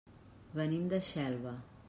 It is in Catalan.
Venim de Xelva.